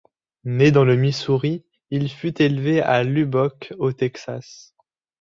Né dans le Missouri, Il fut élevé à Lubbock au Texas.